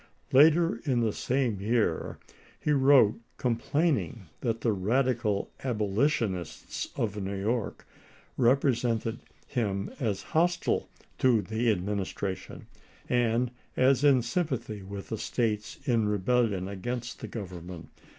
Later in the same year he wrote complaining that the radical abolitionists of New York represented him as hostile to the Administration and as in sympathy with the States in rebellion against the Government.